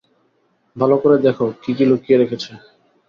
ভালো করে দেখো কী কী লুকিয়ে রেখেছে।